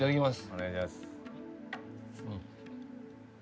お願いします。